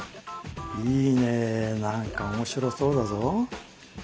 いいね何か面白そうだぞ。